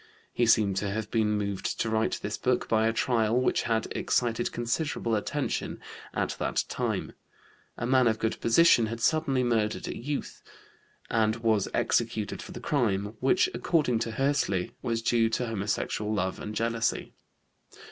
He seems to have been moved to write this book by a trial which had excited considerable attention at that time. A man of good position had suddenly murdered a youth, and was executed for the crime, which, according to Hössli, was due to homosexual love and jealousy.